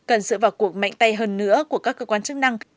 cần sự vào cuộc mạnh tay hơn nữa của các cơ quan chức năng